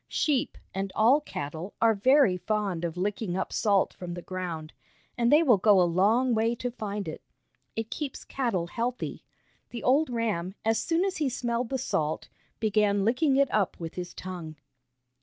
Sheep, and all cattle, are very fond of licking up salt from the ground, and they will go a long way to find it. It keeps cattle healthy. The old ram, as soon as he smelled the salt, began licking it up with his tongue.